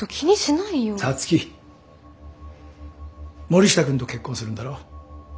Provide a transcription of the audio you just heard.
森下くんと結婚するんだろ。